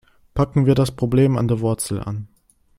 Packen wir das Problem an der Wurzel an.